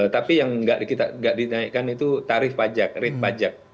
tapi yang tidak dinaikkan itu tarif pajak rate pajak